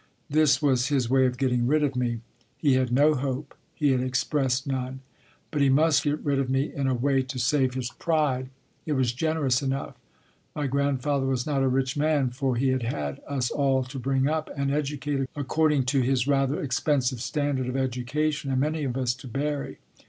This was his way of getting rid of me. He had no hope, he had expressed none. But he must get rid of me in a way to save his pride. It was generous enough. My grandfather was not a rich man, for he had had us all to bring up and educate according to his rather expensive standard of education, and many of us to bury.